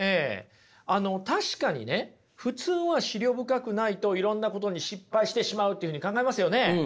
確かにね普通は思慮深くないといろんなことに失敗してしまうというふうに考えますよね。